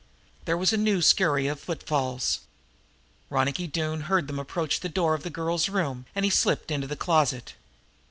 There was a new scurry of footfalls. Ronicky Doone heard them approach the door of the girl's room, and he slipped into the closet.